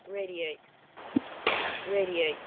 Radiate. RA'DIATE.